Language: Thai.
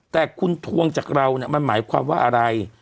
แต่คุณทวงจากเรามันหมายความว่าอะไร